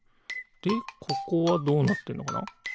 でここはどうなってるのかな？